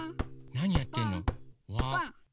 なにやってんの？